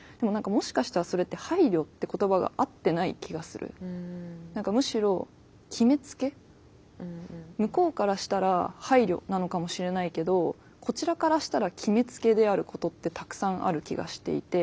ただ何かむしろ向こうからしたら配慮なのかもしれないけどこちらからしたら決めつけであることってたくさんある気がしていて。